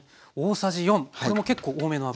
これも結構多めの油？